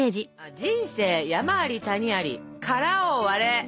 「人生山あり谷ありからを割れ！」